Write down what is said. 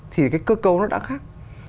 thì cái cơ cấu nó đã khác